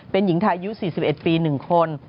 เป็นหญิงไทยอายุ๔๑ปี๑คน